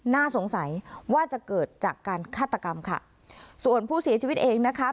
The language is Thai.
น่าสงสัยว่าจะเกิดจากการฆาตกรรมค่ะส่วนผู้เสียชีวิตเองนะคะ